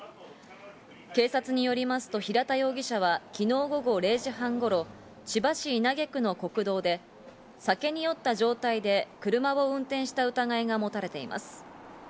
警察によりますと平田容疑者は昨日午後０時半頃、千葉市稲毛区の国道で酒に酔った状態で車を運転した疑いが持たれています。